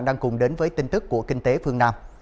đang cùng đến với tin tức của kinh tế phương nam